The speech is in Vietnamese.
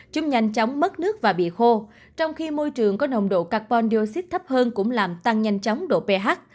chúng nhanh chóng mất nước và bị khô trong khi môi trường có nồng độ carbon dioxide thấp hơn cũng làm tăng nhanh chóng độ ph